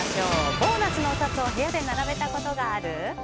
ボーナスのお札を部屋で並べたことがある？